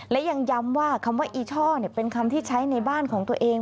และยังย้ำว่าคำว่าอีช่อเป็นคำที่ใช้ในบ้านของตัวเอง